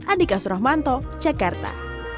adikas rahmanto jakarta